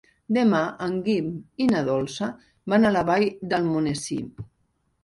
Demà en Guim i na Dolça van a la Vall d'Almonesir.